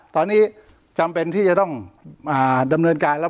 ตอนนี้จำเป็นที่จะต้องดำเนินการแล้ว